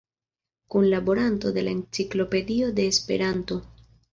Kunlaboranto de la "Enciklopedio de Esperanto".